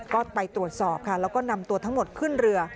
ก็ไปตรวจสอบค่ะแล้วก็นำตัวทั้งหมดขึ้นเรือ